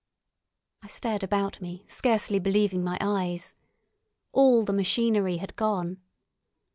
I stared about me, scarcely believing my eyes. All the machinery had gone.